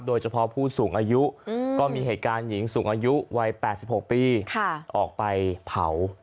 โดยเฉพาะผู้สูงอายุก็มีเหตุการณ์หญิงสูงอายุวัย๘๖ปีออกไปเผา